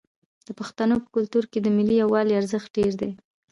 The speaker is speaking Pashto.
د پښتنو په کلتور کې د ملي یووالي ارزښت ډیر دی.